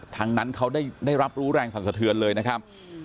ทางนั้นเขาได้รับรู้แรงสรรสะเทือนเลยนะครับ